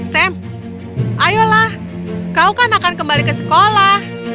sam ayolah kau kan akan kembali ke sekolah